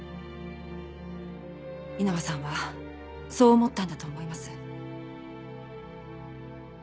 稲葉さんはそう思ったんだと思います。